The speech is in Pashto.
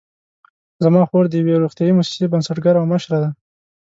زما خور د یوې روغتیايي مؤسسې بنسټګره او مشره ده